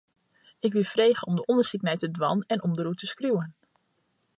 Ik wie frege om dêr ûndersyk nei te dwaan en om dêroer te skriuwen.